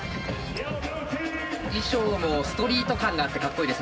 衣装もストリート感があってかっこいいですね。